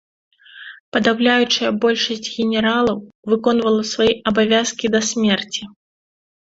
Падаўляючая большасць генералаў выконвала свае абавязкі да смерці.